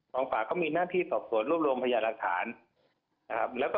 ฟังปราบก็มีหน้าที่สอบสดรวบรวมพยายามรังฐาน